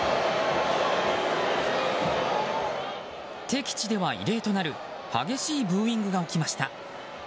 敵地では異例となる激しいブーイングが起きました。